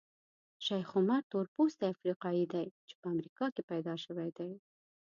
شیخ عمر تورپوستی افریقایي دی چې په امریکا کې پیدا شوی دی.